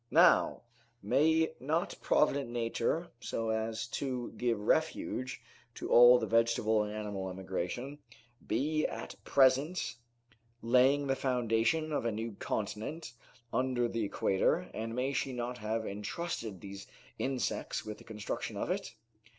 Now, may not provident nature, so as to give refuge to all the vegetable and animal emigration, be at present laying the foundation of a new continent under the Equator, and may she not have entrusted these insects with the construction of it?